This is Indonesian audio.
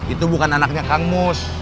itu bukan anaknya kang mus